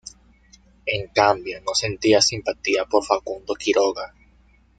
En cambio, no sentía simpatía por Facundo Quiroga.